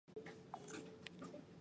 科尔莫兰。